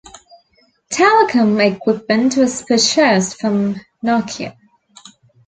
Telecom equipment was purchased from Nokia.